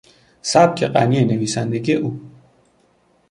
سبک غنی نویسندگی او